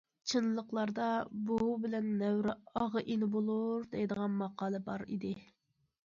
چىنلىقلاردا« بوۋا بىلەن نەۋرە ئاغا- ئىنى بولۇر» دەيدىغان ماقال بار ئىدى.